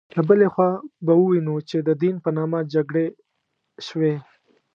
له بلې خوا به ووینو چې د دین په نامه جګړې شوې.